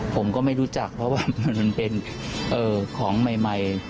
ผมก็ไม่รู้จักเพราะว่ามันเป็นของใหม่